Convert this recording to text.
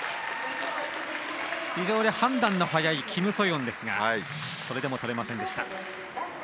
非常に判断が早いキム・ソヨンですがそれでもとれませんでした。